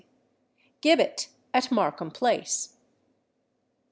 GIBBET AT MARKHAM PLACE.